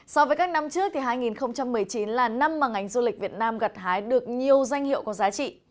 so với các năm trước thì hai nghìn một mươi chín là năm mà ngành du lịch việt nam gặt hái được nhiều danh hiệu có giá trị